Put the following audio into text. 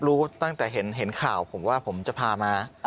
รู้ตั้งแต่เห็นข่าวผมว่าผมจะพามา